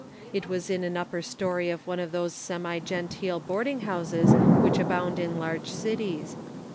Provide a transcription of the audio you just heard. It was in an upper story of one of those semi genteel boarding houses which abound in large cities.